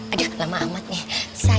aduh lama amat ya